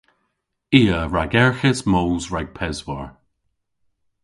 I a ragerghis moos rag peswar.